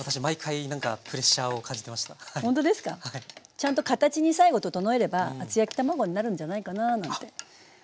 ちゃんと形に最後整えれば厚焼き卵になるんじゃないかななんて思います。